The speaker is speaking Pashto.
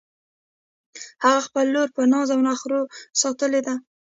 هغې خپله لور په ناز او نخروساتلی ده